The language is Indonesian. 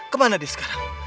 kemana dia sekarang